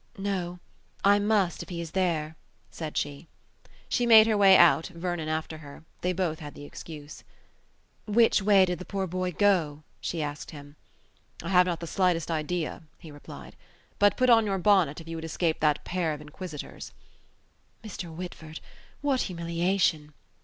"No; I must, if he is there," said she. She made her way out, Vernon after her. They both had the excuse. "Which way did the poor boy go?" she asked him. "I have not the slightest idea," he replied. "But put on your bonnet, if you would escape that pair of inquisitors." "Mr. Whitford, what humiliation!"